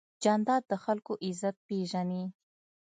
جانداد د خلکو عزت پېژني.